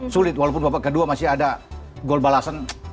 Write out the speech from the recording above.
sulit walaupun bapak kedua masih ada gol balasan